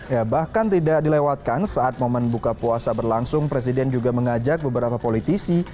ya bahkan tidak dilewatkan saat momen buka puasa berlangsung presiden juga mengajak beberapa politisi